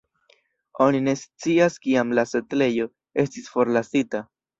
Oni ne scias kiam la setlejo estis forlasita.